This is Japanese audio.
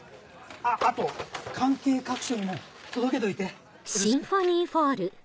あっあと関係各所にも届けといてよろしく。